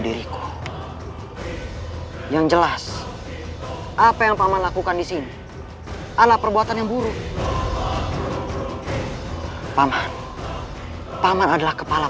diriku yang jelas apa yang paman lakukan di sini adalah perbuatan yang buruk paman paman adalah kepala